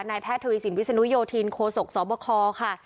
แพทย์ทวีสินวิศนุโยธินโคศกสบคค่ะ